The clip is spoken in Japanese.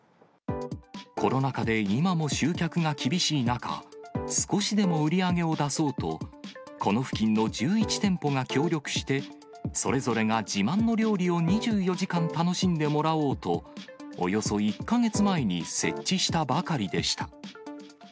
コロナ禍で今も集客が厳しい中、少しでも売り上げを出そうと、この付近の１１店舗が協力して、それぞれが自慢の料理を２４時間楽しんでもらおうと、およそ１か月前に設置したばかりでした。